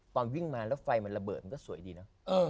ตอนวิ่งมาแล้วไฟมันระเบิดมันก็สวยดีเนอะ